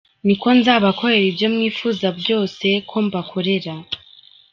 Niko nzabakorera ibyo mwifuza byose ko mbakorera.